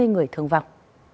hai mươi người thương vọng